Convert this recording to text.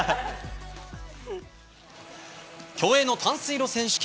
競泳の短水路選手権。